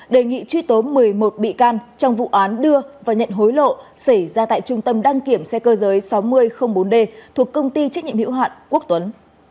đề nghị truy tố một mươi một bị can trong vụ án đưa và nhận hối lộ xảy ra tại trung tâm đăng kiểm xe cơ giới sáu nghìn bốn d thuộc công ty trách nhiệm hiệu hạn quốc tuấn